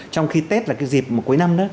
trong khi tết là cái dịp cuối năm đó